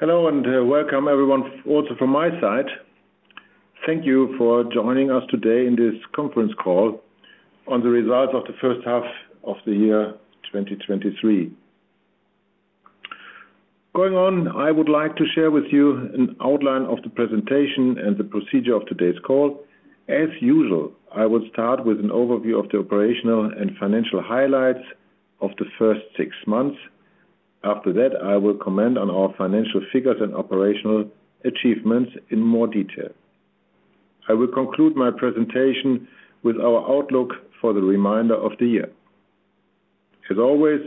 Hello, welcome everyone, also from my side. Thank you for joining us today in this conference call on the results of the first half of the year, 2023. Going on, I would like to share with you an outline of the presentation and the procedure of today's call. As usual, I will start with an overview of the operational and financial highlights of the first 6 months. After that, I will comment on our financial figures and operational achievements in more detail. I will conclude my presentation with our outlook for the remainder of the year. As always,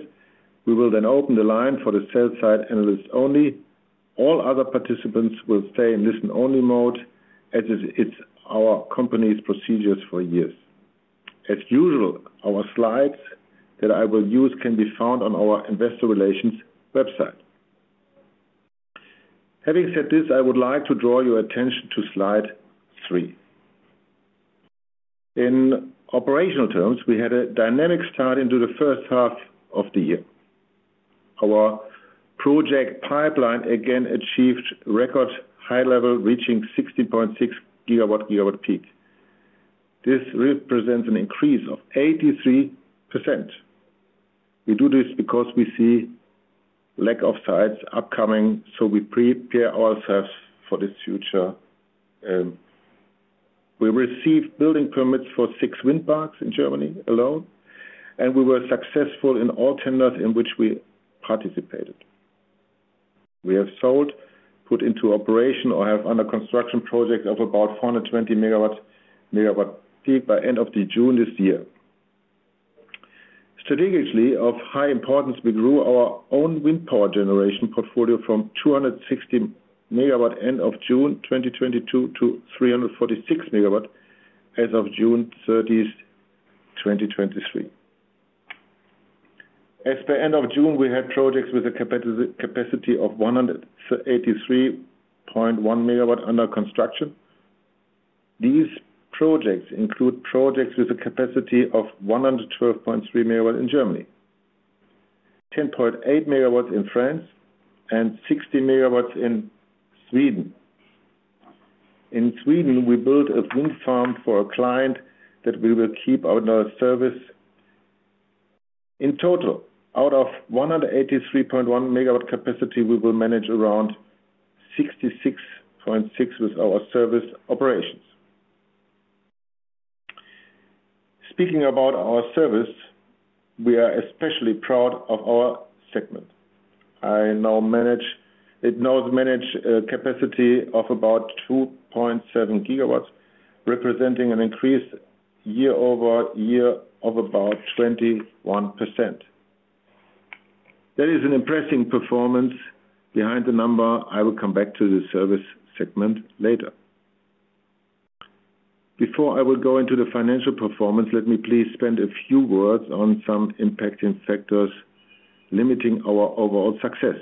we will then open the line for the sell-side analysts only. All other participants will stay in listen-only mode, as is, it's our company's procedures for years. As usual, our slides that I will use can be found on our investor relations website. Having said this, I would like to draw your attention to Slide 3. In operational terms, we had a dynamic start into the first half of the year. Our project pipeline, again, achieved record high level, reaching 60.6 GW, gigawatt peak. This represents an increase of 83%. We do this because we see lack of sites upcoming, so we prepare ourselves for the future. We received building permits for wind parks in Germany alone, and we were successful in all tenders in which we participated. We have sold, put into operation, or have under construction projects of about 420 MW, megawatt peak by end of June this year. Strategically, of high importance, we grew our own wind power generation portfolio from 260 MW end of June 2022 to 346 MW as of June 30, 2023. As per end of June, we had projects with a capacity of 183.1 MW under construction. These projects include projects with a capacity of 112.3 MW in Germany, 10.8 MW in France, and 60 MW in Sweden. In Sweden, we built a wind farm for a client that we will keep out in our service. In total, out of 183.1 MW capacity, we will manage around 66.6 with our service operations. Speaking about our service, we are especially proud of our segment. It now manage capacity of about 2.7 GW, representing an increase year-over-year of about 21%. That is an impressive performance behind the number. I will come back to the service segment later. Before I will go into the financial performance, let me please spend a few words on some impacting factors limiting our overall success.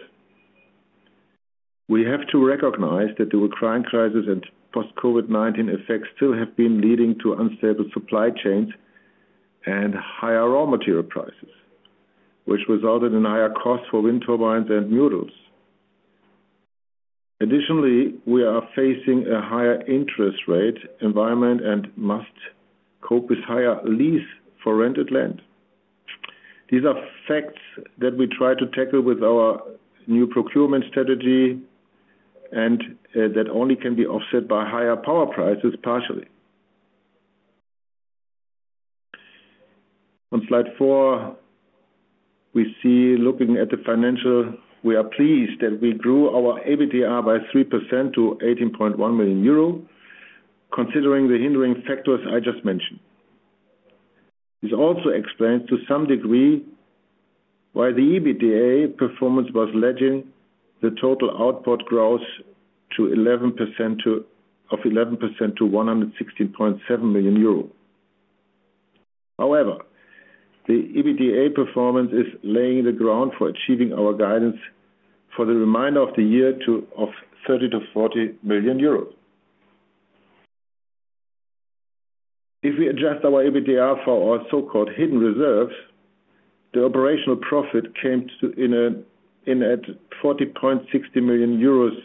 We have to recognize that the Ukraine crisis and post-COVID-19 effects still have been leading to unstable supply chains and higher raw material prices, which resulted in higher costs for wind turbines and modules. Additionally, we are facing a higher interest rate environment and must cope with higher lease for rented land. These are facts that we try to tackle with our new procurement strategy and that only can be offset by higher power prices, partially. On Slide 4, we see looking at the financial, we are pleased that we grew our EBITDA by 3% to 18.1 million euro, considering the hindering factors I just mentioned. This also explains, to some degree, why the EBITDA performance was leading the total output growth of 11% to 116.7 million euro. The EBITDA performance is laying the ground for achieving our guidance for the remainder of the year of 30 million-40 million euros. If we adjust our EBITDA for our so-called hidden reserves, the operational profit came in at 40.60 million euros,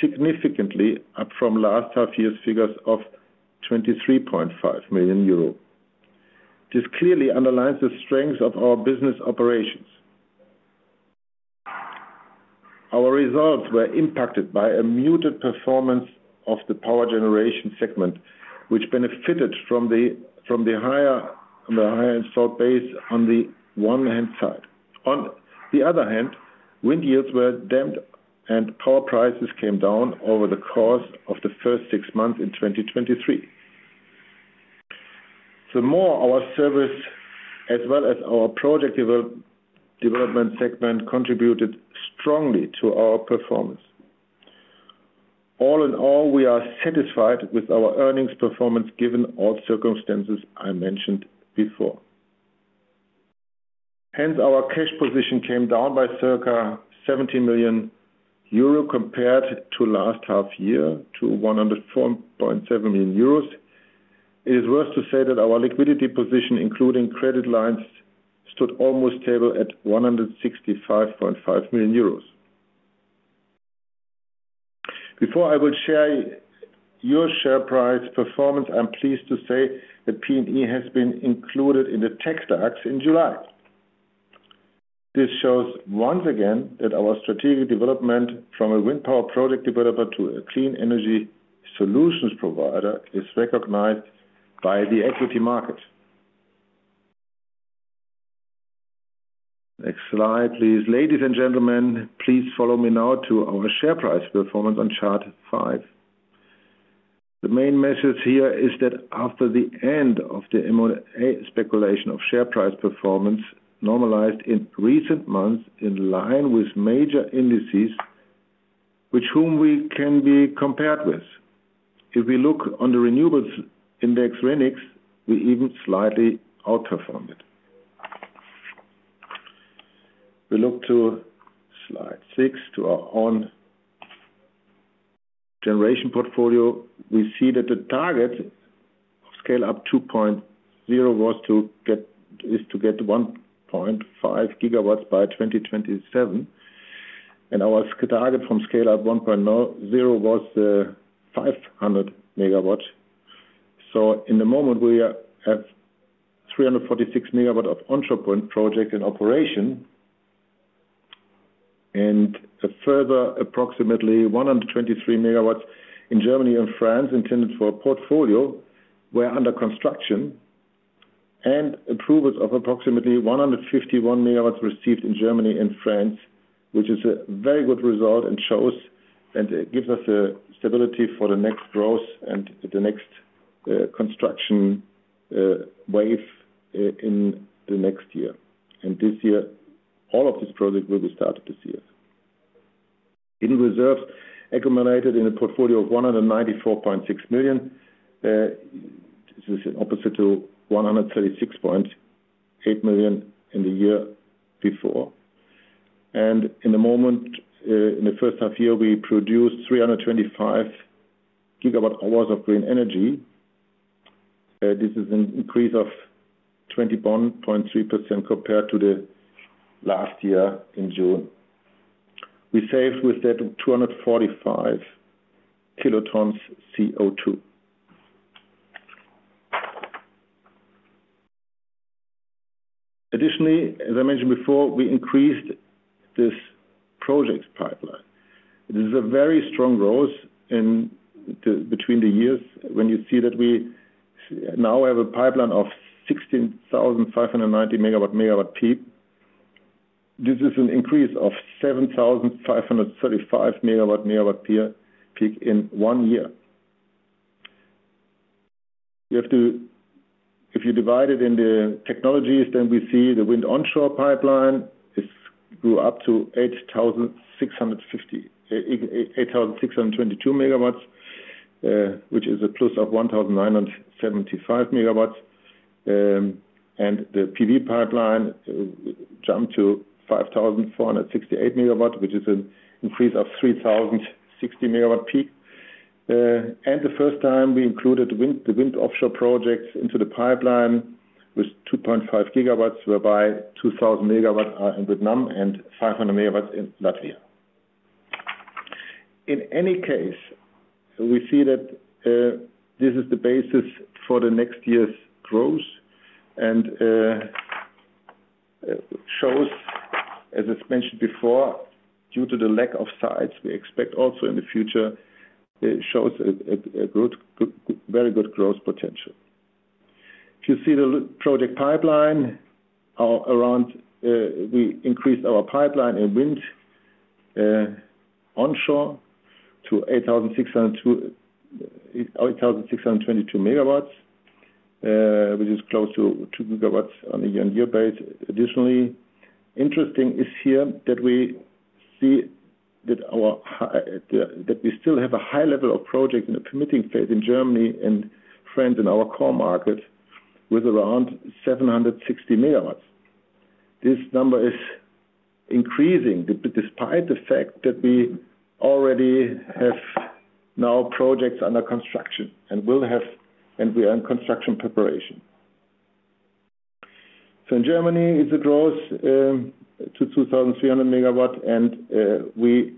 significantly up from last half year's figures of 23.5 million euro. This clearly underlines the strength of our business operations. Our results were impacted by a muted performance of the power generation segment, which benefited from the higher installed base on the one hand side. On the other hand, wind yields were damped, and power prices came down over the course of the first six months in 2023. The more our service, as well as our project development segment, contributed strongly to our performance. All in all, we are satisfied with our earnings performance, given all circumstances I mentioned before. Hence, our cash position came down by circa 70 million euro compared to last half year, to 104.7 million euros. It is worth to say that our liquidity position, including credit lines, stood almost stable at 165.5 million euros. Before I will share your share price performance, I'm pleased to say that PNE has been included in the TecDAX in July. This shows once again, that our strategic development from a wind power project developer to a clean energy solutions provider, is recognized by the equity market. Next slide, please. Ladies and gentlemen, please follow me now to our share price performance on chart five. The main message here is that after the end of the M&A speculation of share price performance, normalized in recent months, in line with major indices, which whom we can be compared with. If we look on the renewables index, RENIXX, we even slightly outperformed it. We look to Slide 6, to our own generation portfolio. We see that the target of Scale up 2.0 was to get, is to get 1.5 GW by 2027, and our target from Scale up 1.0 was 500 MW. In the moment, we have 346 MW of onshore wind project in operation. A further approximately 123 MW in Germany and France, intended for a portfolio, were under construction. Approvals of approximately 151 MW received in Germany and France, which is a very good result and shows, and it gives us a stability for the next growth and the next construction wave in the next year. This year, all of this project will be started this year. In reserve, accumulated in a portfolio of 194.6 million, this is opposite to 136.8 million in the year before. In the moment, in the first half year, we produced 325 GW hours of green energy. This is an increase of 21.3% compared to the last year in June. We saved with that 245 kilotons CO2. Additionally, as I mentioned before, we increased this project pipeline. This is a very strong growth in the, between the years. When you see that we now have a pipeline of 16,590 MW, megawatt peak. This is an increase of 7,535 MW, megawatt peak in one year. You have to if you divide it in the technologies, then we see the wind onshore pipeline grew up to 8,622 MW, which is a plus of 1,975 MW. The PV pipeline jumped to 5,468 MW, which is an increase of 3,060 MW peak. The first time we included wind, the wind offshore projects into the pipeline, with 2.5 GW, whereby 2,000 MW are in Vietnam and 500 MW in Latvia. In any case, we see that this is the basis for the next year's growth. Shows, as it's mentioned before, due to the lack of sites, we expect also in the future, it shows a good, good, very good growth potential. If you see the project pipeline, around, we increased our pipeline in wind onshore to 8,622 MW, which is close to 2 GW on a year-on-year base. Additionally, interesting is here, that we see that our high, that we still have a high level of project in the permitting phase in Germany and France, in our core market, with around 760 MW. This number is increasing, despite the fact that we already have now projects under construction, and will have, and we are in construction preparation. In Germany, it's a growth to 2,300 MW, and we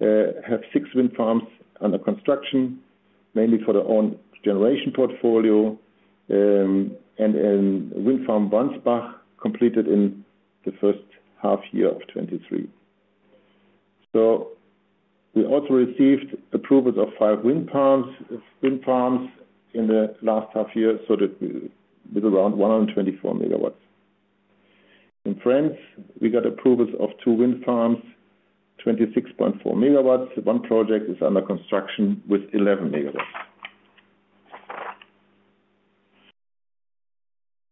have six wind farms under construction, mainly for the own generation portfolio. Mansbach Wind Farm completed in the first half year of 2023. We also received approvals of five wind farms in the last half year, that is around 124 MW. In France, we got approvals of two wind farms, 26.4 MW. One project is under construction with 11 MW.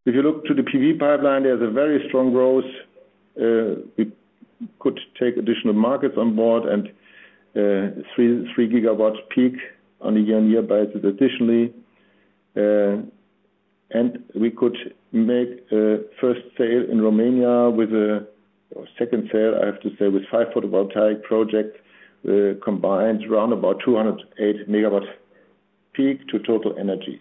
You look to the PV pipeline, there's a very strong growth. We could take additional markets on board and 3GW peak on a year-on-year basis, additionally. We could make first sale in Romania with a, or second sale, I have to say, with five photovoltaic project combined around about 208 MW peak to TotalEnergies.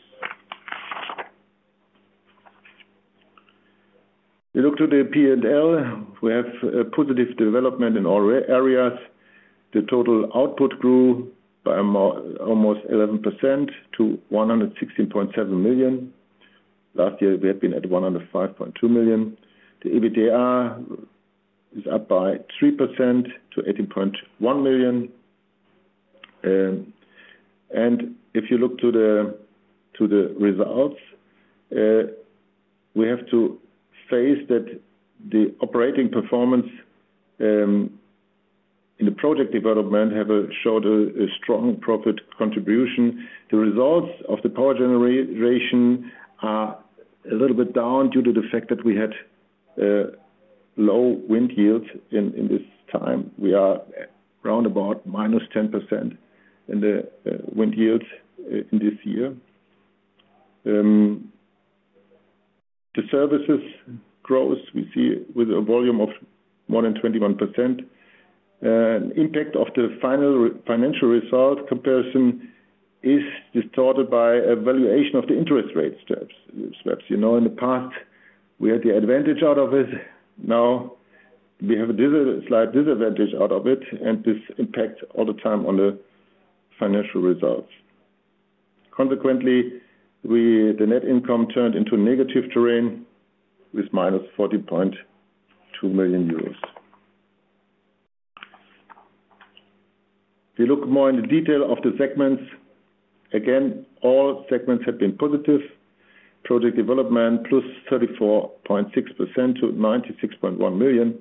We look to the P&L. We have a positive development in all areas. The total output grew by almost 11% to 116.7 million. Last year, we had been at 105.2 million. The EBITDA is up by 3% to 18.1 million. If you look to the, to the results, we have to face that the operating performance in the project development have showed a strong profit contribution. The results of the power generation are a little bit down due to the fact that we had low wind yields in this time. We are around about minus 10% in the wind yields in this year. The services growth we see with a volume of more than 21%. Impact of the final financial result comparison is distorted by a valuation of the interest rate steps. You know, in the past, we had the advantage out of it. Now, we have a slight disadvantage out of it, and this impacts all the time on the financial results. Consequently, the net income turned into negative terrain with minus EUR 40.2 million. We look more in the detail of the segments. Again, all segments have been positive. Project development, plus 34.6% to 96.1 million.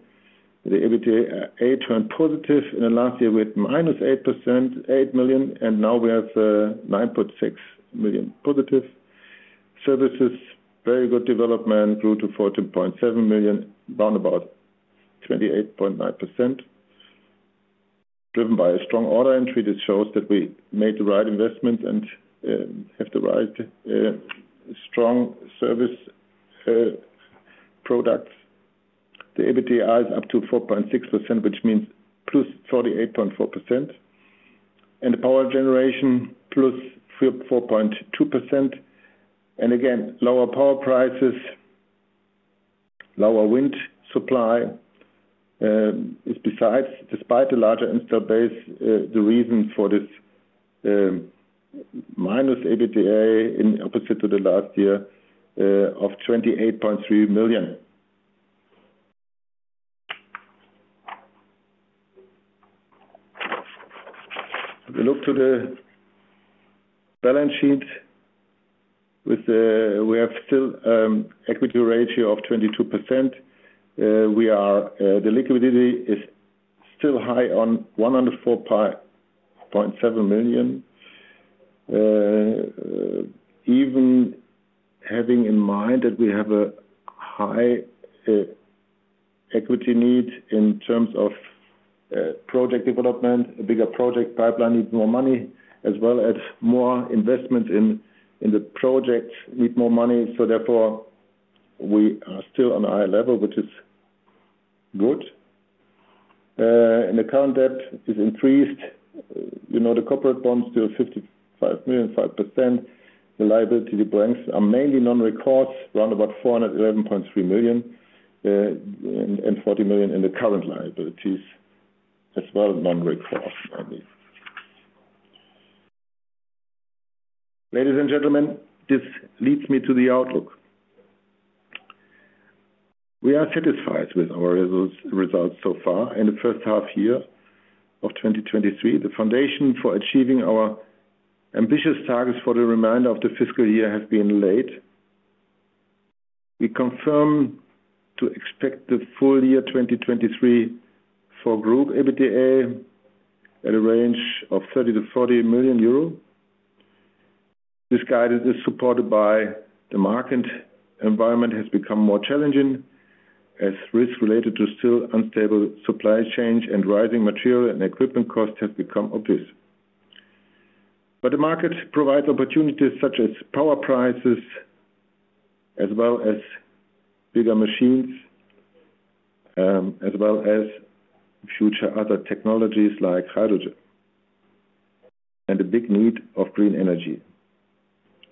The EBITDA turned positive. In the last year, we had minus 8%, 8 million, and now we have 9.6 million positive. Services, very good development, grew to 14.7 million, down about 28.9%, driven by a strong order entry that shows that we made the right investment and have the right strong service products. The EBITDA is up to 4.6%, which means +48.4%, and the power generation, +34.2%. Again, lower power prices, lower wind supply, despite the larger install base, the reason for this minus EBITDA in opposite to the last year, of 28.3 million. If we look to the balance sheet, we have still equity ratio of 22%. We are, the liquidity is still high on 104.7 million. Even having in mind that we have a high equity need in terms of project development, a bigger project pipeline needs more money, as well as more investment in, in the project, need more money. Therefore, we are still on a high level, which is good. The current debt is increased. You know, the corporate bonds, still 55 million, 5%. The liability to banks are mainly non-recourse, around about 411.3 million, and 40 million in the current liabilities, as well, non-recourse, mainly. Ladies and gentlemen, this leads me to the outlook. We are satisfied with our results so far in the first half year of 2023. The foundation for achieving our ambitious targets for the remainder of the fiscal year have been laid. We confirm to expect the full year 2023 for group EBITDA at a range of 30 million-40 million euro. This guidance is supported by the market environment has become more challenging, as risks related to still unstable supply chain and rising material and equipment costs have become obvious. The market provides opportunities such as power prices, as well as bigger machines, as well as future other technologies like hydrogen, and a big need of green energy.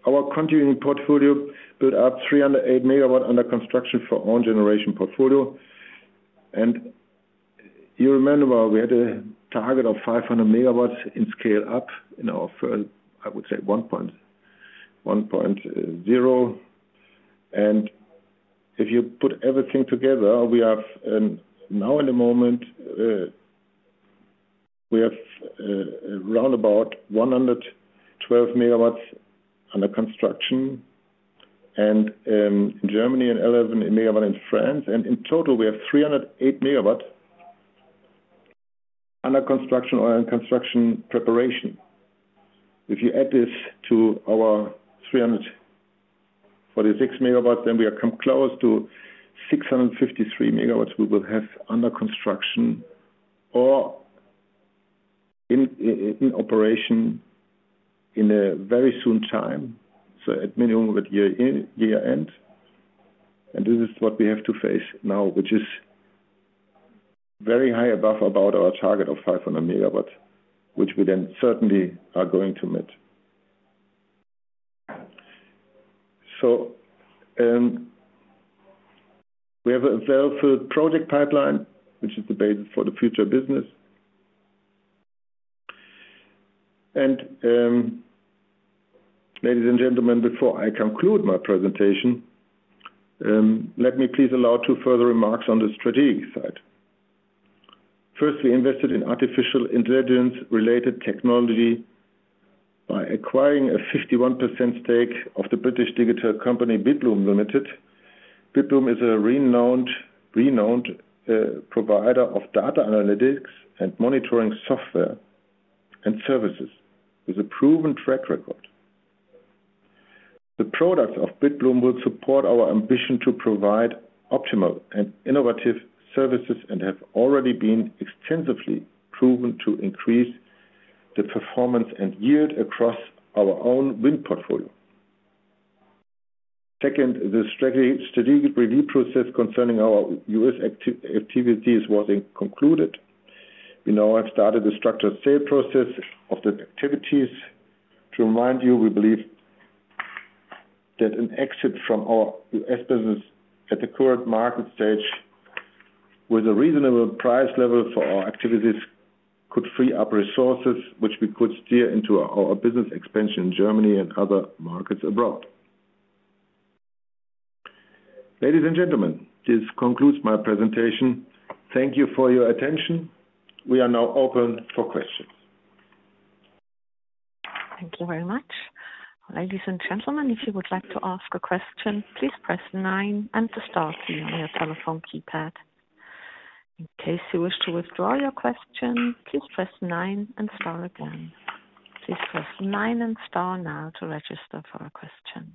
Our continuing portfolio built up 308 MW under construction for own generation portfolio. You remember, we had a target of 500 MW in Scale up in our firm, I would say one point, one point, zero. If you put everything together, we have now in the moment, we have around about 112 MW under construction, and in Germany, and 11 MW in France. In total, we have 308 MW under construction or in construction preparation. If you add this to our 346 MW, then we are come close to 653 MW we will have under construction or in operation in a very soon time, so at minimum at year end, year end. This is what we have to face now, which is very high, above about our target of 500 MW, which we then certainly are going to meet. We have a well-filled project pipeline, which is the basis for the future business. Ladies and gentlemen, before I conclude my presentation, let me please allow two further remarks on the strategic side. First, we invested in artificial intelligence-related technology by acquiring a 51% stake of the British digital company, Bitbloom Ltd. Bitbloom is a renowned, renowned provider of data analytics and monitoring software and services, with a proven track record. The products of Bitbloom will support our ambition to provide optimal and innovative services, and have already been extensively proven to increase the performance and yield across our own wind portfolio. Second, the strategic, strategic review process concerning our U.S. activities was concluded. We now have started a structured sale process of the activities. To remind you, we believe that an exit from our US business at the current market stage, with a reasonable price level for our activities, could free up resources, which we could steer into our business expansion in Germany and other markets abroad. Ladies and gentlemen, this concludes my presentation. Thank you for your attention. We are now open for questions. Thank you very much. Ladies and gentlemen, if you would like to ask a question, please press nine and the star key on your telephone keypad. In case you wish to withdraw your question, please press nine and star again. Please press nine and star now to register for a question.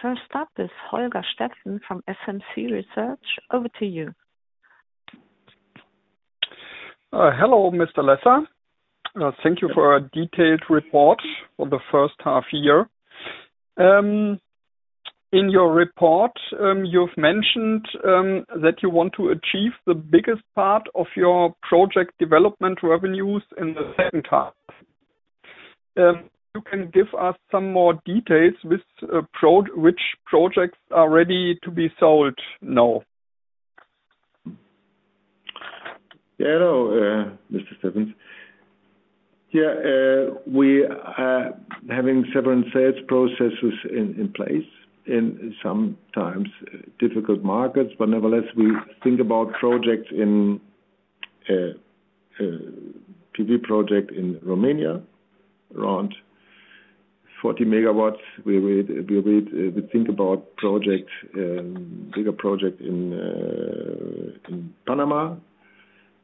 First up is Holger Steffen from SMC Research. Over to you. Hello, Mr. Lesser. Thank you for a detailed report for the first half year. In your report, you've mentioned that you want to achieve the biggest part of your project development revenues in the second half. You can give us some more details which projects are ready to be sold now? Hello, Mr. Steffen. Yeah, we are having several sales processes in, in place, in sometimes difficult markets. Nevertheless, we think about projects in PV project in Romania, around 40 MW. We would, we would, we think about projects, bigger project in Panama.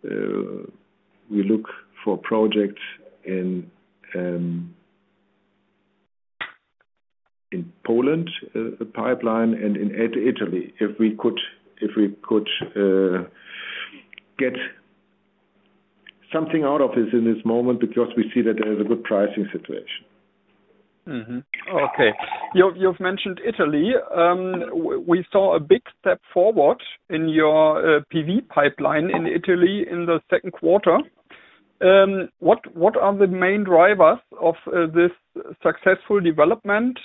We look for projects in Poland, a pipeline, and in Italy, if we could, if we could, get something out of this in this moment, because we see that there is a good pricing situation. Mm-hmm. Okay. You've, you've mentioned Italy. We saw a big step forward in your PV pipeline in Italy in the second quarter. What, what are the main drivers of this successful development?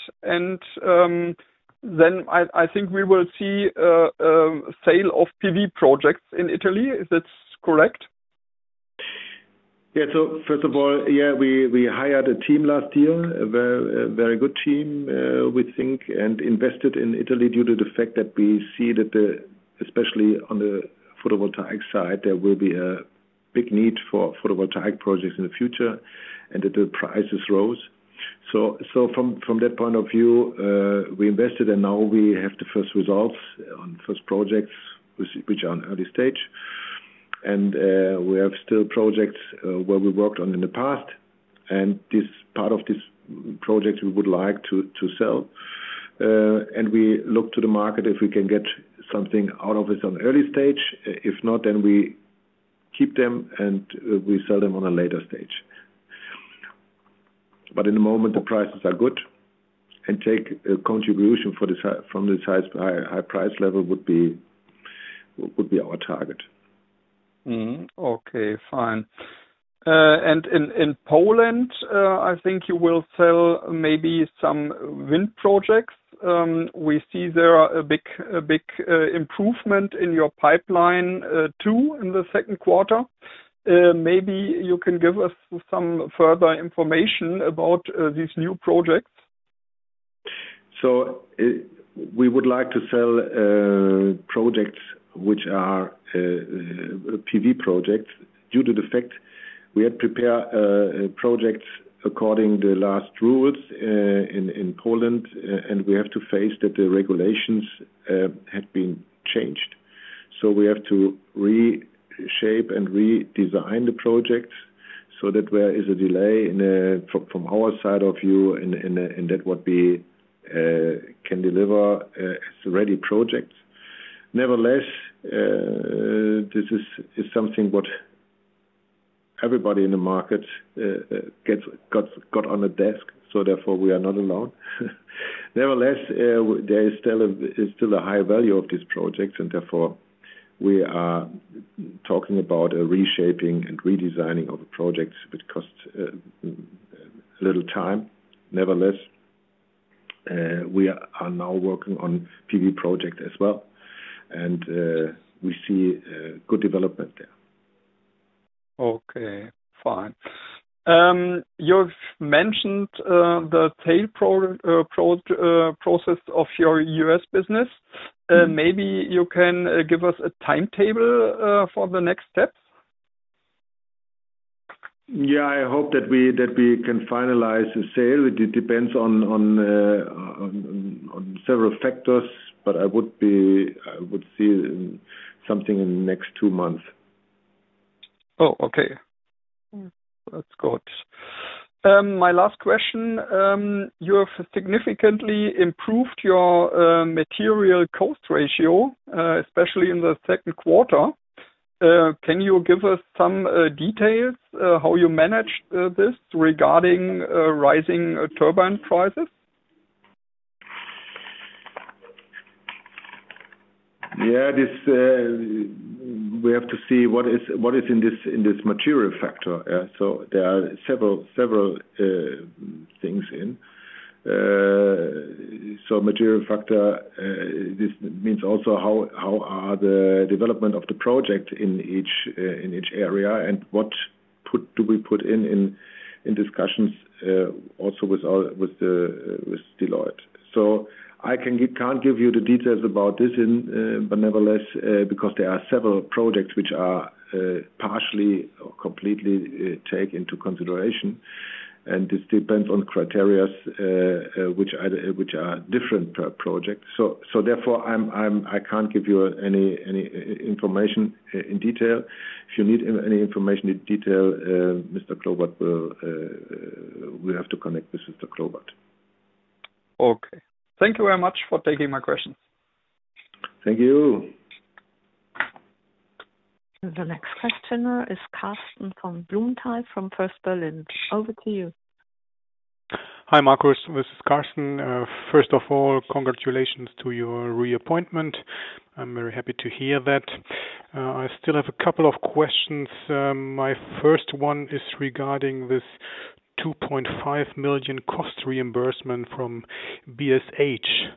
Then I, I think we will see a, a sale of PV projects in Italy, is that correct? Yeah. First of all, yeah, we, we hired a team last year, a very, a very good team, we think, and invested in Italy due to the fact that we see that the, especially on the photovoltaic side, there will be a big need for photovoltaic projects in the future, and that the prices rose. From, from that point of view, we invested, and now we have the first results on first projects, which, which are on early stage. We have still projects where we worked on in the past, and this part of this project we would like to, to sell. We look to the market, if we can get something out of this on early stage. If not, then we keep them, and we sell them on a later stage. In the moment, the prices are good, and take a contribution for the from the size, high, high price level would be, would be our target. Mm-hmm. Okay, fine. In, in Poland, I think you will sell maybe some wind projects. We see there are a big, a big improvement in your pipeline, too, in the second quarter. Maybe you can give us some further information about these new projects? We would like to sell projects which are PV projects, due to the fact we had prepare projects according the last rules in Poland, and we have to face that the regulations have been changed. We have to reshape and redesign the projects. That there is a delay in from from our side of view and and and that what we can deliver as a ready project. Nevertheless, this is is something what everybody in the market gets, got, got on the desk, so therefore we are not alone. Nevertheless, there is still is still a high value of this project, and therefore, we are talking about a reshaping and redesigning of the project, which costs a little time. Nevertheless, we are now working on PV project as well, and, we see, good development there. Okay, fine. You've mentioned the sale process of your U.S. business. Maybe you can give us a timetable for the next step? Yeah, I hope that we, that we can finalize the sale. It depends on several factors, but I would see something in the next two months. Oh, okay. That's good. My last question, you have significantly improved your material cost ratio, especially in the second quarter. Can you give us some details, how you managed this regarding rising turbine prices? Yeah, this, we have to see what is, what is in this, in this material factor. There are several, several, things in. Material factor, this means also how, how are the development of the project in each, in each area, and what do we put in, in, in discussions, also with our, with the, with Deloitte. I can't give you the details about this in, but nevertheless, because there are several projects which are, partially or completely, take into consideration, and this depends on criteria, which are, which are different per project. Therefore, I can't give you any information in detail. If you need any information in detail, Mr. Klobart will. We have to connect this with Mr. Klobart. Okay. Thank you very much for taking my questions. Thank you. The next questioner is Karsten von Blumenthal, from First Berlin. Over to you. Hi, Marcus, this is Carsten. First of all, congratulations to your reappointment. I'm very happy to hear that. I still have a couple of questions. My first one is regarding this 2.5 million cost reimbursement from BSH.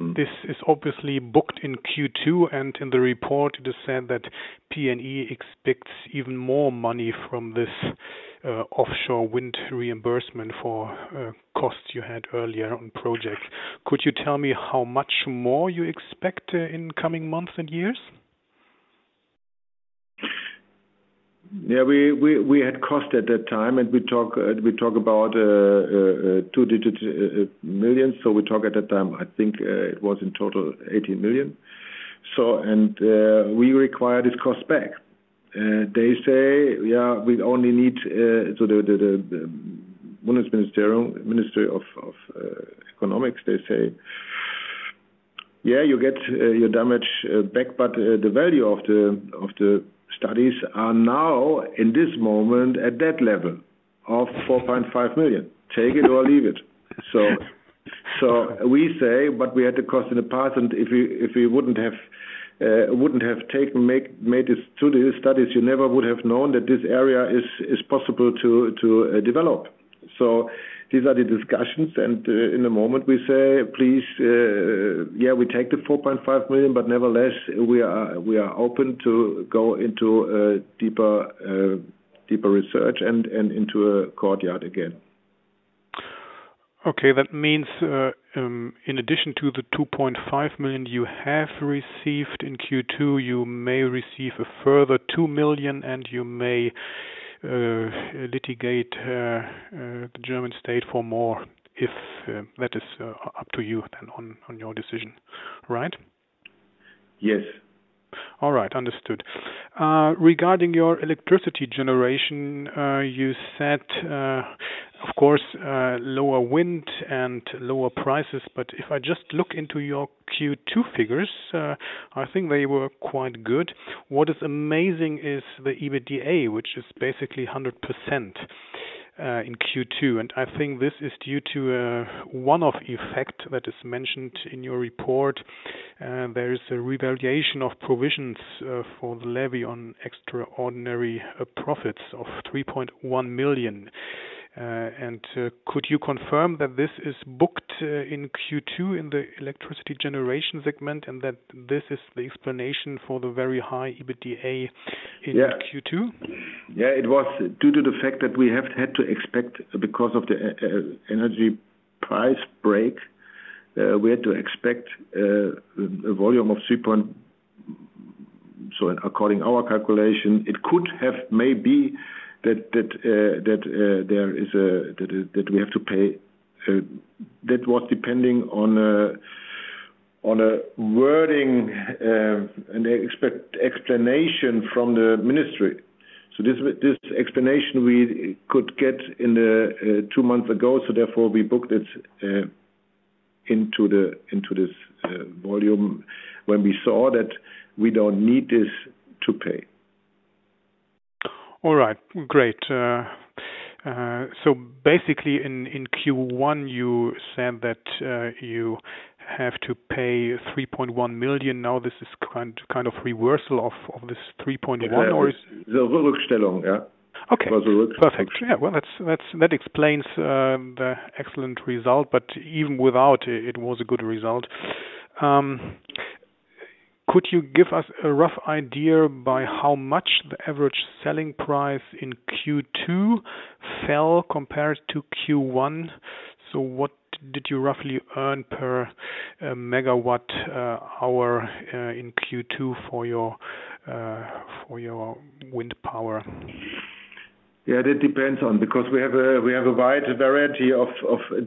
This is obviously booked in Q2, and in the report, it is said that PNE expects even more money from this offshore wind reimbursement for costs you had earlier on project. Could you tell me how much more you expect in coming months and years? Yeah, we, we, we had cost at that time. We talk, we talk about two-digit millions. We talk at that time, I think, it was in total 80 million. We require this cost back. They say, yeah, we only need, so the Bundesministerium, Ministry of Economics, they say, "Yeah, you get your damage back, but the value of the studies are now, in this moment, at that level of 4.5 million. Take it or leave it." We say, we had the cost in the past, if we, if we wouldn't have, wouldn't have taken, make, made this studies, you never would have known that this area is, is possible to, to develop. These are the discussions. In the moment we say: Please, we take the 4.5 million. Nevertheless, we are, we are open to go into a deeper, deeper research and into a court again. Okay, that means, in addition to the 2.5 million you have received in Q2, you may receive a further 2 million, and you may litigate the German state for more, if that is up to you then on, on your decision, right? Yes. All right. Understood. Regarding your electricity generation, you said, of course, lower wind and lower prices, but if I just look into your Q2 figures, I think they were quite good. What is amazing is the EBITDA, which is basically 100% in Q2. I think this is due to a one-off effect that is mentioned in your report. There is a revaluation of provisions for the levy on extraordinary profits of 3.1 million. Could you confirm that this is booked in Q2 in the electricity generation segment, and that this is the explanation for the very high EBITDA in Q2? It was due to the fact that we have had to expect, because of the energy price break, we had to expect a volume of three. According our calculation, it could have maybe that, that there is a that we have to pay, that was depending on a wording, an expect explanation from the ministry. This, this explanation we could get in the two months ago, therefore, we booked it into the, into this volume when we saw that we don't need this to pay. All right, great. Basically, in Q1, you said that you have to pay 3.1 million. Now, this is kind, kind of reversal of, of this 3.1 million or. Yeah. Okay, perfect. Yeah, well, that explains the excellent result, but even without it, it was a good result. Could you give us a rough idea by how much the average selling price in Q2 fell compared to Q1? What did you roughly earn per megawatt hour in Q2 for your for your wind power? Yeah, that depends because we have a wide variety of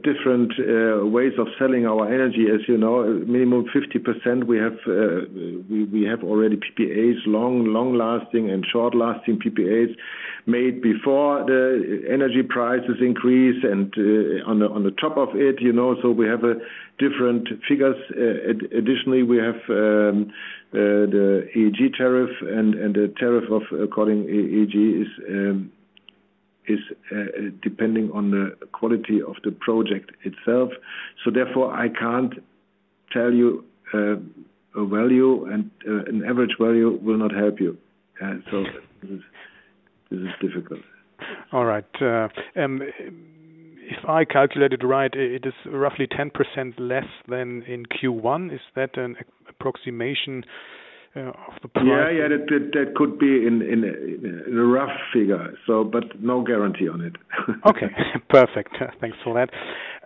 different ways of selling our energy. As you know, minimum 50%, we have, we have already PPAs, long, long-lasting and short-lasting PPAs made before the energy prices increase, on the top of it, you know, so we have different figures. Additionally, we have the Erneuerbare-Energien-Gesetz tariff, and the tariff of according Erneuerbare-Energien-Gesetz is depending on the quality of the project itself. Therefore, I can't tell you a value, and an average value will not help you. This is difficult. All right, if I calculate it right, it is roughly 10% less than in Q1. Is that an approximation of the price? Yeah, yeah, that, that could be in, in, in a rough figure, so but no guarantee on it. Okay, perfect. Thanks for that.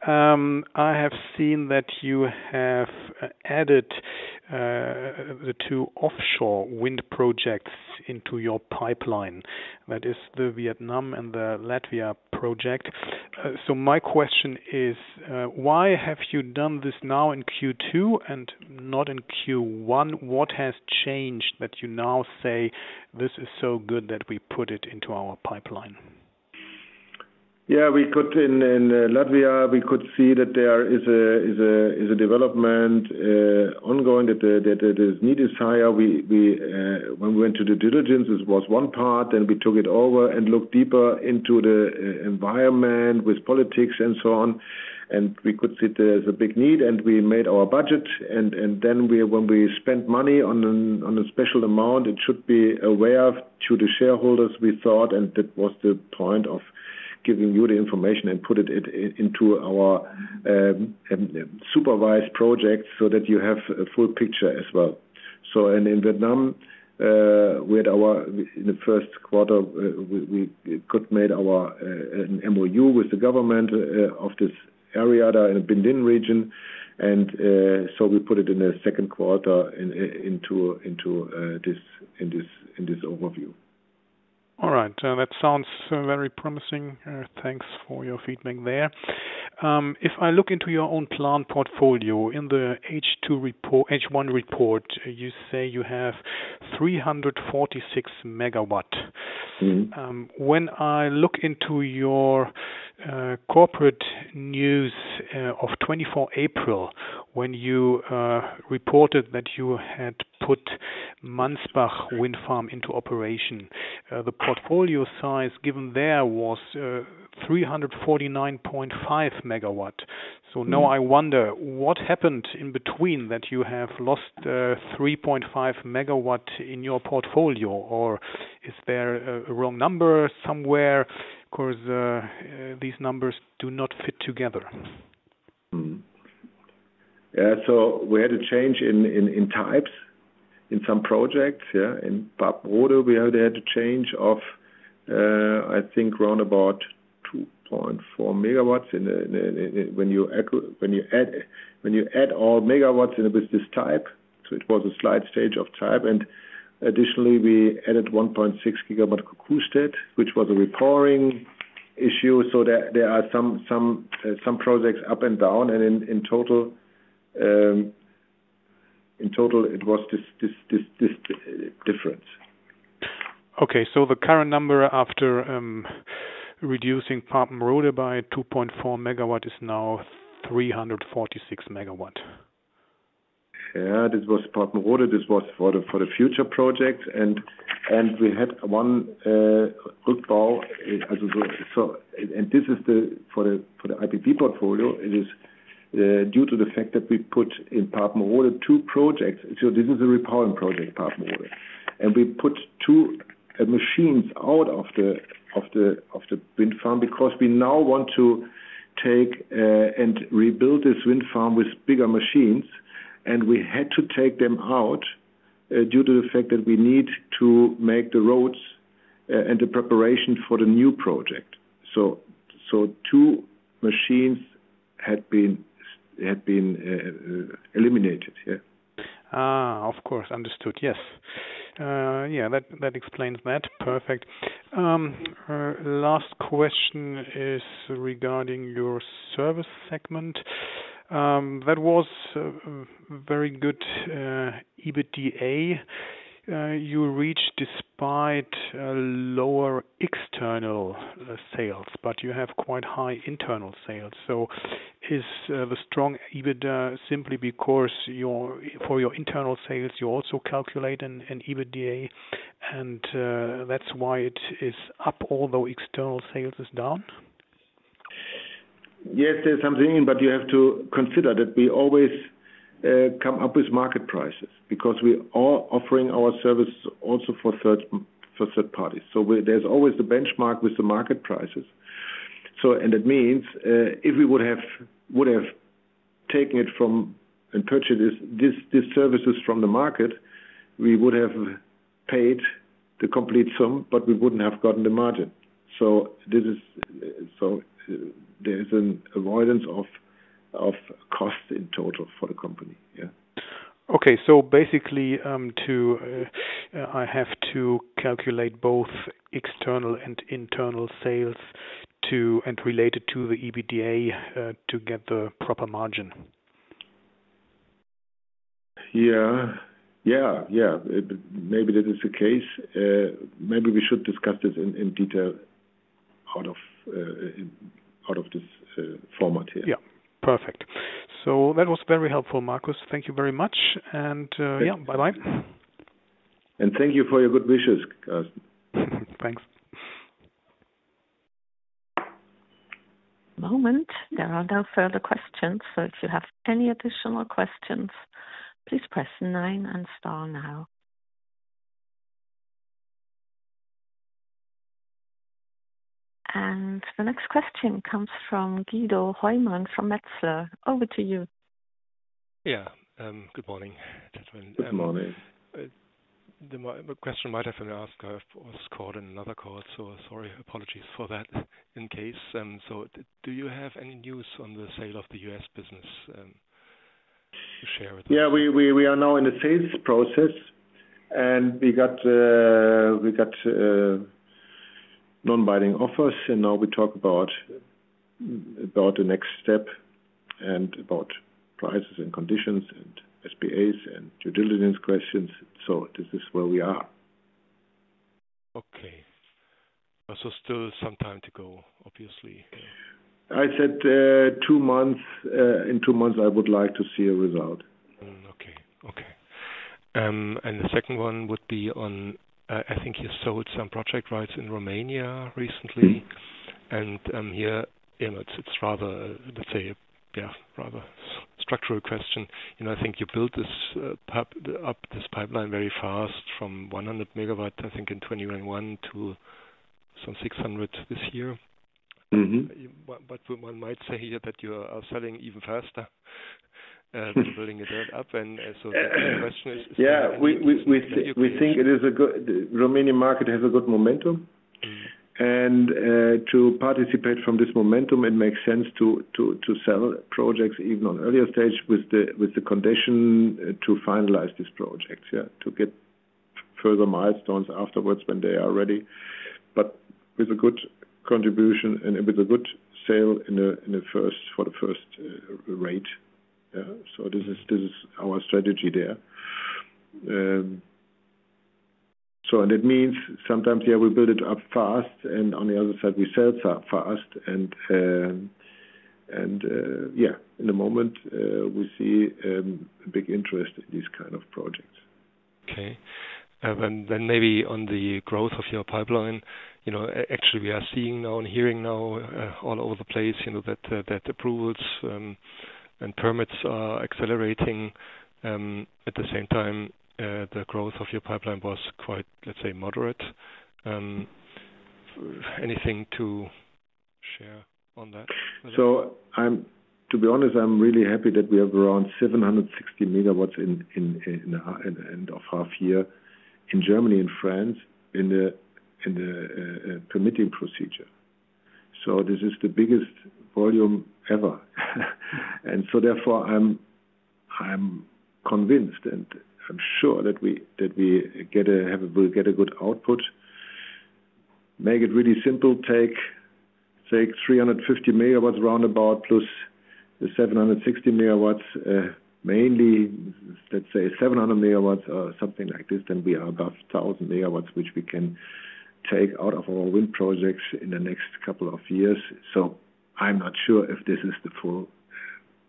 I have seen that you have added the two offshore wind projects into your pipeline. That is the Vietnam and the Latvia project. My question is: Why have you done this now in Q2 and not in Q1? What has changed, that you now say, "This is so good that we put it into our pipeline? Yeah, we could in, in Latvia, we could see that there is a, is a, is a development ongoing, that the need is higher. We, we, when we went to the diligence, this was one part, and we took it over and looked deeper into the environment with politics and so on, and we could see there's a big need, and we made our budget. Then we, When we spent money on a special amount, it should be aware of to the shareholders, we thought, and that was the point of giving you the information and putting it into our supervised project so that you have a full picture as well. In Vietnam, In the first quarter, we could make our MOU with the government of this area, the Binh Dinh region, and so we put it in the second quarter, into this overview. All right, that sounds very promising. Thanks for your feedback there. If I look into your own plant portfolio, in the H1 report, you say you have 346 MW. Mm-hmm. When I look into your corporate news of April 24, when you reported that you had put Mansbach Wind Farm into operation, the portfolio size given there was 349.5 MW. Mm-hmm. Now I wonder, what happened in between that you have lost, 3.5 MW in your portfolio? Or is there a, a wrong number somewhere? 'Cause, these numbers do not fit together. Yeah, we had a change in, in, in types in some projects, yeah. In Papenrode, we had had a change of, I think around about 2.4 MW in the. When you add, when you add all megawatts in with this type, it was a slight change of type, and additionally, we added 1.6 GW Kuhstedt, which was a repowering issue. There, there are some, some projects up and down, and in, in total, in total, it was this, this, this, this difference. The current number after reducing Papenrode by 2.4 MW is now 346 MW? Yeah, this was Papenrode. This was for the, for the future project, and we had one goodwill as well. This is the, for the, for the IPP portfolio, it is due to the fact that we put in Papenrode two projects. This is a repowering project, Papenrode. We put two machines out of the, of the, of the wind farm, because we now want to take and rebuild this wind farm with bigger machines, and we had to take them out due to the fact that we need to make the roads and the preparation for the new project. Two machines had been, had been eliminated, yeah. Ah, of course. Understood, yes. Yeah, that, that explains that. Perfect. Last question is regarding your service segment. That was a very good EBITDA you reached despite lower external sales, but you have quite high internal sales. Is the strong EBITDA simply because for your internal sales, you also calculate an EBITDA, that's why it is up, although external sales is down? Yes, there's something, but you have to consider that we always come up with market prices, because we are offering our services also for third parties. There's always the benchmark with the market prices. It means, if we would have, would have taken it from, and purchased these services from the market, we would have paid the complete sum, but we wouldn't have gotten the margin. This is, so there is an avoidance of, of cost in total for the company. Yeah. Okay. Basically, to, I have to calculate both external and internal sales to, and relate it to the EBITDA, to get the proper margin? Yeah. Yeah, yeah. Maybe this is the case. Maybe we should discuss this in, in detail out of, out of this, format here. Yeah. Perfect. That was very helpful, Marcus. Thank you very much. Thank. Yeah, bye-bye. Thank you for your good wishes. Thanks. Moment, there are no further questions, so if you have any additional questions, please press nine and star now. The next question comes from Guido Hoymann from Metzler. Over to you. Yeah. Good morning, gentlemen. Good morning. The question I might have been asked, I was called in another call, so sorry, apologies for that in case. Do you have any news on the sale of the U.S. business to share with us? Yeah, we, we, we are now in the sales process, and we got non-binding offers, and now we talk about, about the next step and about prices and conditions and SPAs and due diligence questions. This is where we are. Okay. Still some time to go, obviously. I said, two months, in two months, I would like to see a result. Mm. Okay. Okay. The second one would be on, I think you sold some project rights in Romania recently. Mm-hmm. Here, you know, it's, it's rather, let's say, yeah, rather structural question. You know, I think you built this pipeline very fast from 100 MW, I think, in 2021 to some 600 this year. Mm-hmm. But one might say here that you are selling even faster, than building it up. The question is. Yeah, we think it is a good. Romanian market has a good momentum. Mm. To participate from this momentum, it makes sense to sell projects even on earlier stage with the condition to finalize these projects, yeah. To get further milestones afterwards when they are ready, but with a good contribution and with a good sale in the, in the first, for the first rate. This is, this is our strategy there. It means sometimes, yeah, we build it up fast, and on the other side, we sell fast. Yeah, in the moment, we see a big interest in these kind of projects. Okay. Then, then maybe on the growth of your pipeline, you know, actually, we are seeing now and hearing now, all over the place, you know, that approvals and permits are accelerating. At the same time, the growth of your pipeline was quite, let's say, moderate. Anything to share on that? I'm to be honest, I'm really happy that we have around 760 MW in end of half year in Germany and France, in the permitting procedure. This is the biggest volume ever. Therefore, I'm convinced, and I'm sure that we, that we'll get a good output. Make it really simple, take 350 MW roundabout, plus the 760 MW, mainly, let's say 700 MW or something like this, then we are above 1,000 MW, which we can take out of our wind projects in the next couple of years. I'm not sure if this is the full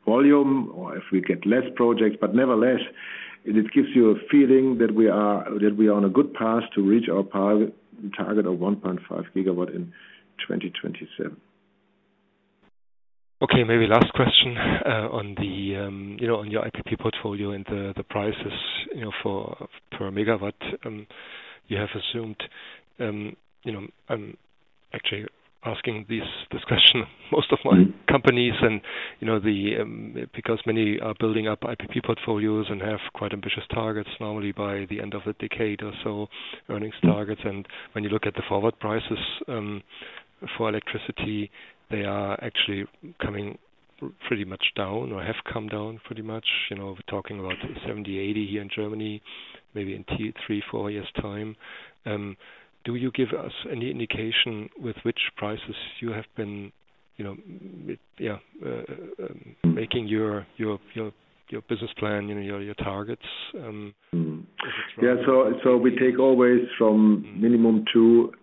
volume or if we get less projects, but nevertheless, it gives you a feeling that we are, that we are on a good path to reach our target of 1.5 GW in 2027. Okay, maybe last question, on the, you know, on your IPP portfolio and the, the prices, you know, for, per megawatt. You have assumed, you know, I'm actually asking this, this question most of my companies. Mm. You know, the, because many are building up IPP portfolios and have quite ambitious targets, normally by the end of the decade or so, earnings targets. Mm. When you look at the forward prices for electricity, they are actually coming pretty much down or have come down pretty much. You know, we're talking about 70, 80 here in Germany, maybe in 2, 3, 4 years time. Do you give us any indication with which prices you have been, you know, making your business plan, you know, your targets? Yeah. We take always from minimum two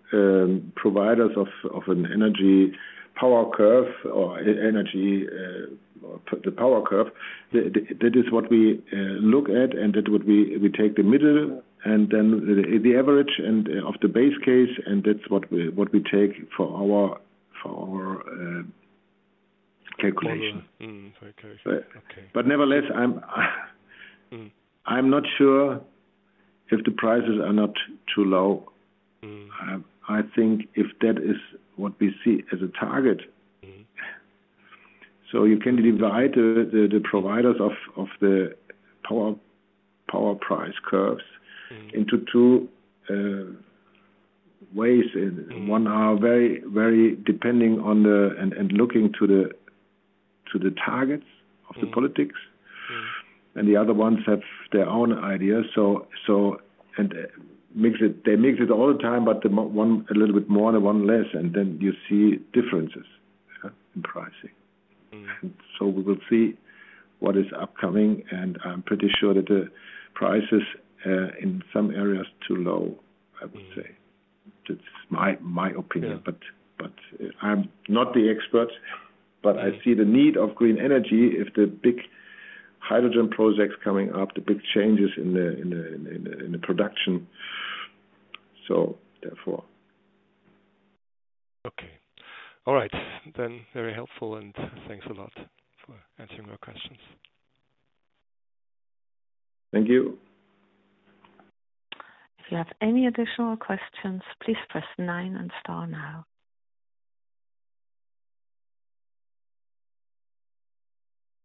providers of an energy power curve or energy, the power curve. That is what we look at, and what we take the middle, and then the average and of the base case, and that's what we take for our calculation. Mm. Okay. Nevertheless, I'm not sure if the prices are not too low. Mm. I, I think if that is what we see as a target. Mm. You can divide the providers of the power price curves into two ways. One are very, very depending on the, and looking to the targets of the politics. Mm. The other ones have their own ideas, they mix it all the time, but the one a little bit more and one less, and then you see differences in pricing. Mm. We will see what is upcoming, and I'm pretty sure that the price is, in some areas, too low, I would say. That's my, my opinion. Yeah. I'm not the expert, but I see the need of green energy if the big hydrogen projects coming up, the big changes in the, in the, in, in, in the production. Therefore. Okay. All right, then, very helpful, and thanks a lot for answering our questions. Thank you. If you have any additional questions, please press nine and star now.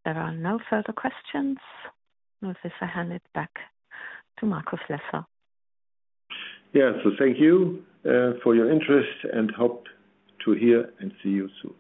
There are no further questions. With this, I hand it back to Markus Lesser. Yeah. Thank you for your interest, and hope to hear and see you soon.